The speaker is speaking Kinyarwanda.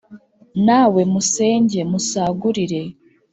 na we musenge, musagurire